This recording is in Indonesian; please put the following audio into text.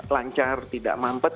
lancar tidak mampet